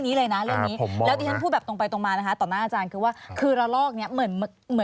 อ้อนนั้นที่มันมีอยู่แล้วคำถามอ่ะอะละลอกใหม่